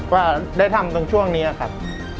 ว่าได้ทำตรงช่วงนี้ครับ